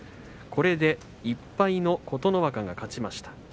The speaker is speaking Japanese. これで１敗の琴ノ若が勝ちました。